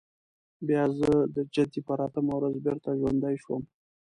بیا زه د جدي پر اتمه ورځ بېرته ژوندی شوم.